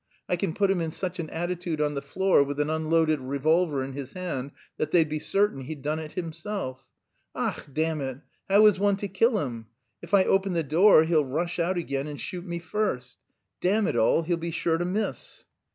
I can put him in such an attitude on the floor with an unloaded revolver in his hand that they'd be certain he'd done it himself.... Ach, damn it! how is one to kill him? If I open the door he'll rush out again and shoot me first. Damn it all, he'll be sure to miss!"